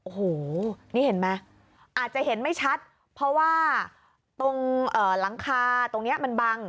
โอ้โหนี่เห็นไหมอาจจะเห็นไม่ชัดเพราะว่าตรงหลังคาตรงนี้มันบัง